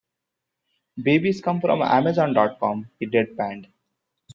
"Babies come from amazon.com," he deadpanned.